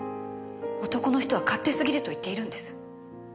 男の人は勝手過ぎると言っているんです。